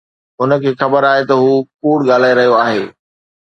هن کي به خبر آهي ته هو ڪوڙ ڳالهائي رهيو آهي